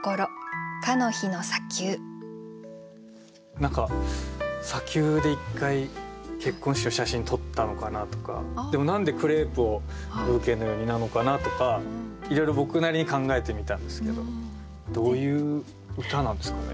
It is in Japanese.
何か砂丘で１回結婚式の写真を撮ったのかなとかでも何で「クレープをブーケのように」なのかなとかいろいろ僕なりに考えてみたんですけどどういう歌なんですかね。